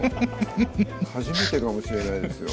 フフフ初めてかもしれないですよ